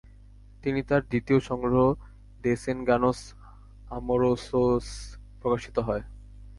তিনি তার দ্বিতীয় সংগ্রহ দেসেনগানোস আমোরোসাস প্রকাশিত হয়।